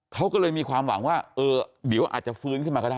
เขาก็เลยมีความหวังว่าเออเดี๋ยวอาจจะฟื้นขึ้นมาก็ได้